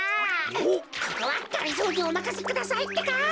ここはがりぞーにおまかせくださいってか。